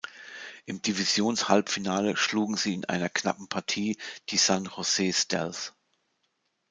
Im Divisions-Halbfinale schlugen sie in einer knappen Partie die San Jose Stealth.